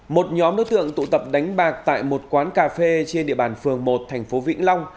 một nhóm đối tượng tụ tập đánh bạc tại một quán cà phê trên địa bàn phường một thành phố vĩnh long